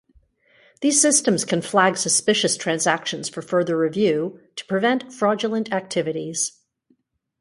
These systems can flag suspicious transactions for further review to prevent fraudulent activities.